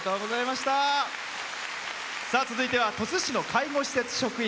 続いては鳥栖市の介護施設職員。